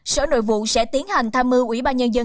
sở nội vụ sẽ tiến hành tham mưu ủy ba nhân